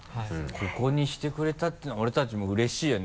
ここにしてくれたっていうのは俺たちもうれしいよね。